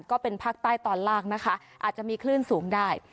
ก็เป็นภาคใต้ตอนล่างนะคะอาจจะมีคลื่นสูงได้